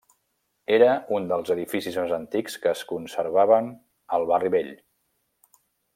Era un dels edificis més antics que es conservaven al Barri Vell.